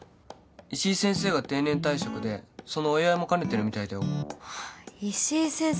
石井先生が定年退職でそのお祝いも兼ねてるみたいだよ石井先生